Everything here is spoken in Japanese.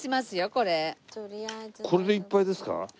これでいっぱいですか？